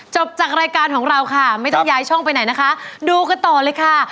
จบจากรายการของเราค่ะไม่ต้องย้ายช่องไปไหนนะคะดูกันต่อเลยค่ะ